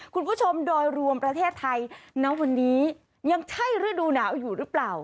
คุณผู้ชมโดยรวมประเทศไทยณวันนี้ยังใช่ฤดูหนาวอยู่หรือเปล่า